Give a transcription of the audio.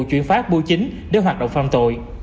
truyền phá bưu chính để hoạt động phạm tội